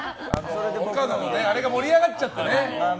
あれが盛り上がっちゃってね。